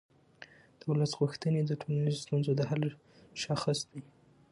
د ولس غوښتنې د ټولنیزو ستونزو د حل شاخص دی